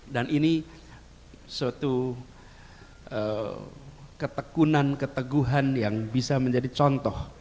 dan ini suatu ketekunan keteguhan yang bisa menjadi contoh